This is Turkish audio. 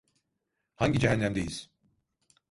Hangi cehennemdeyiz?